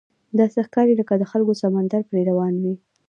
داسې ښکاري لکه د خلکو سمندر پرې روان وي.